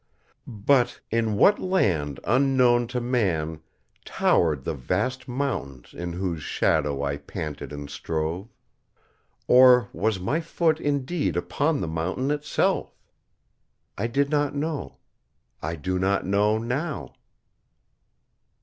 But in what land unknown to man towered the vast mountains in whose shadow I panted and strove? Or was my foot indeed upon the mountain itself? I did not know. I do not know, now.